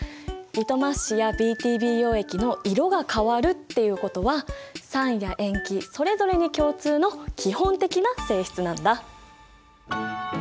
リトマス紙やＢＴＢ溶液の色が変わるっていうことは酸や塩基それぞれに共通の基本的な性質なんだ。